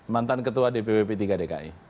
mantan ketua dpp p tiga dki